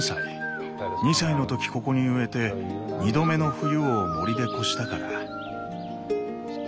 ２歳の時ここに植えて２度目の冬を森で越したから。